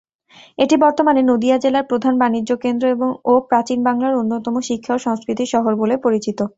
এটি বর্তমানে নদিয়া জেলার প্রধান বাণিজ্যকেন্দ্র ও প্রাচীন বাংলার অন্যতম শিক্ষা ও সংস্কৃতির শহর বলে পরিচিত।